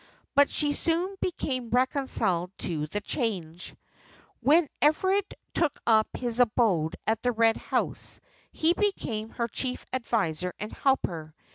But she soon became reconciled to the change. When Everard took up his abode at the Red House he became her chief adviser and helper.